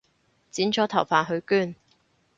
剪咗頭髮去捐